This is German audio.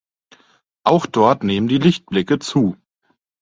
Auch dort nehmen die Lichtblicke zu.